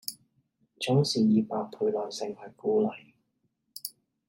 總是以百倍耐性去鼓勵